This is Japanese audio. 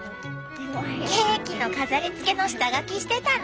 ケーキの飾りつけの下書きしてたの？